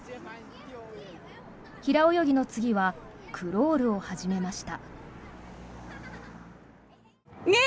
平泳ぎの次はクロールを始めました。